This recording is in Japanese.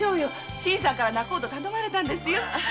新さんから仲人を頼まれたんですよ。